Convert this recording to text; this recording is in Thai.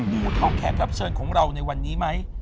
ดูเท่าแขกรับเชิญของเราในวันนี้ไหม